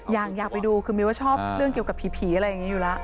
อยากไปดูคือมิวว่าชอบเรื่องเกี่ยวกับผีอะไรอย่างนี้อยู่แล้ว